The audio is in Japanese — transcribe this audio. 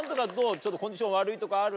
ちょっとコンディション悪いとかある？